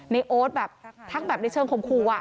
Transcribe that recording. โอ๊ตแบบทักแบบในเชิงคมครู